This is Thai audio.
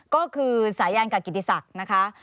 ก็คือสายันกับกิติศักดิ์นะคะ